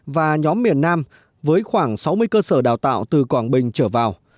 và nhóm miền nam với khoảng sáu mươi cơ sở đào tạo từ quảng bình trở vào